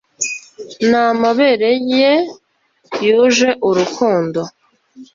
Namabere ye yuje urukundo